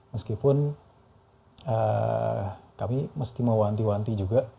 meskipun kami mesti mewanti wanti juga